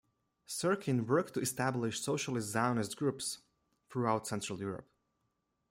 Syrkin worked to establish socialist Zionist groups throughout Central Europe.